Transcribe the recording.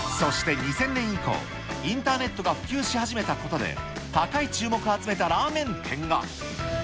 ２０００年以降、インターネットが普及し始めたことで、高い注目を集めたラーメン店が。